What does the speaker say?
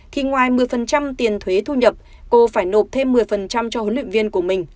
thì ngoài một mươi tiền thuế thu nhập cô phải nộp thêm một mươi cho huấn luyện viên của mình